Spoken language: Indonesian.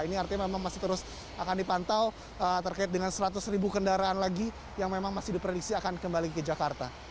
ini artinya memang masih terus akan dipantau terkait dengan seratus ribu kendaraan lagi yang memang masih diprediksi akan kembali ke jakarta